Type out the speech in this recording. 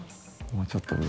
もうちょっと上。